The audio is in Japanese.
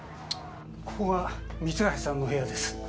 ここが三橋さんの部屋です。